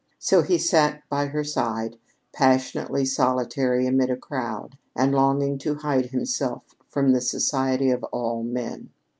So he sat by her side, passionately solitary amid a crowd and longing to hide himself from the society of all men.